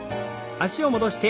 脚を戻して。